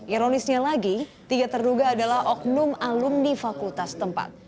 ironisnya lagi tiga terduga adalah oknum alumni fakultas tempat